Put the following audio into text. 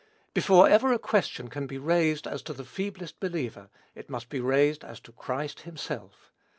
Before ever a question can be raised as to the feeblest believer, it must be raised as to Christ himself.